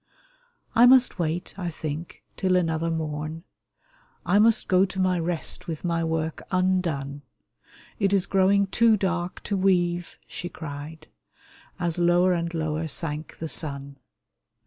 " I must wait, I think, till another morn ; I must go to my rest with my work undone ; It is growing too dark to weave !" she cried, As lower and lower sank the sun.